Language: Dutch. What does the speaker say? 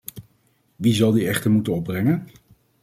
Wie zal die echter moeten opbrengen?